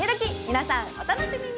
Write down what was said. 皆さんお楽しみに！